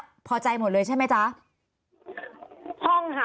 ตอนที่จะไปอยู่โรงเรียนนี้แปลว่าเรียนจบมไหนคะ